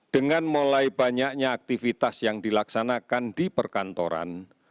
dengan mulai banyaknya aktivitas yang dilaksanakan di perkantoran